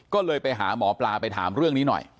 ก็เลยไปหาหมอปลาไปถามเรื่องนี้หน่อย